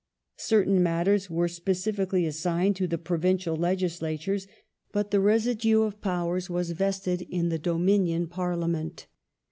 ^ Certain matters were specifically assigned to the Provincial Legislatures, but the residue of powers was vested in the Dominion Parliament.